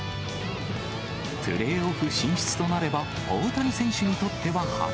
プレーオフ進出となれば、大谷選手にとっては初。